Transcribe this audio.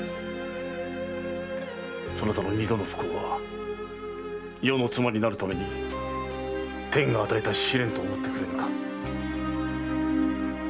そなたの二度の不幸は余の妻になるために天が与えた試練と思ってくれぬか？